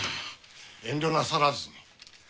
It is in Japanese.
遠慮なさらずに。